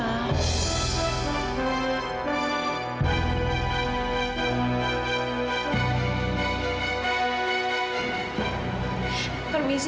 kamila kamu harus berhenti